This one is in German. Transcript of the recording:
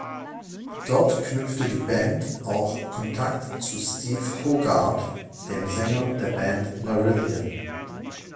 Dort knüpfte die Band auch Kontakt zu Steve Hogarth, dem Sänger der Band Marillion.